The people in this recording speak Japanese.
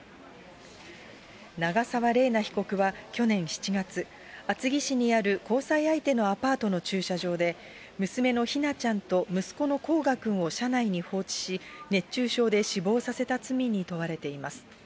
長沢麗奈被告は、去年７月、厚木市にある交際相手のアパートの駐車場で、娘のひなちゃんと息子のこうがくんを車内に放置し、熱中症で死亡させた罪に問われています。